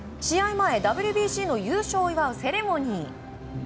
前、ＷＢＣの優勝を祝うセレモニー。